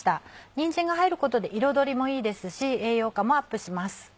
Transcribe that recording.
にんじんが入ることで彩りもいいですし栄養価もアップします。